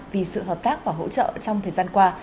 vì sự hợp tác và hỗ trợ trong thời gian qua